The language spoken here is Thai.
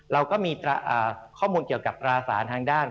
เราก็มีข้อมูลเกี่ยวกับตราสารทางด้าน